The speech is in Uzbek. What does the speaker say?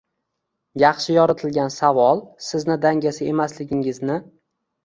Yaxshi yoritilgan savol Sizning dangasa emasligingizni